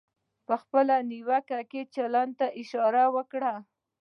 په خپله نیوکه کې چلند ته اشاره وکړئ.